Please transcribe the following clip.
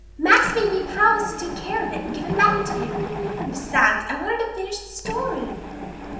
"Max made me promise to take care of it and give it back to him, and besides I wanted to finish the story."